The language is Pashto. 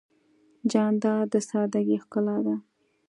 جانداد د سادګۍ ښکلا ده.